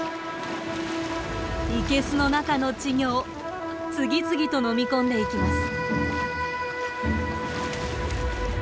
生けすの中の稚魚を次々と飲み込んでいきます。